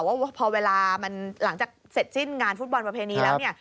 ว่าพอเวลามันหลังจากเสร็จสิ้นงานฟุตบอลประเพณีแล้วเนี่ย